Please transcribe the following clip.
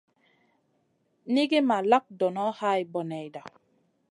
Nigi ma lak donoʼ hay boneyda.